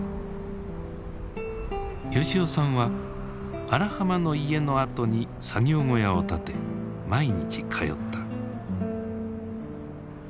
吉男さんは荒浜の家の跡に作業小屋を建て毎日通った。